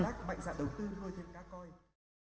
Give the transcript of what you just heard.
mạnh dạng đầu tư vui thêm các coi